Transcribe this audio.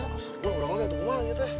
masa gue orang orang jatuh kembali gitu ya